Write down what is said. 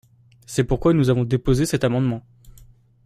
C’est pourquoi nous avons déposé cet amendement.